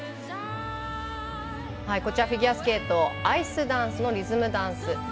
フィギュアスケートアイスダンスのリズムダンス。